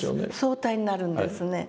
相対になるんですね。